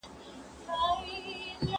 د شلو کارگانو علاج يوه ډبره ده.